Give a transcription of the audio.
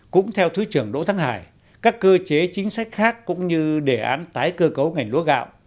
cũng theo thứ trưởng đỗ thắng hải các cơ chế chính sách khác cũng như đề án tái cơ cấu ngành lúa gạo